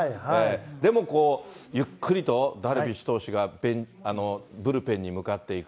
でもこう、ゆっくりとダルビッシュ投手がブルペンに向かって行く。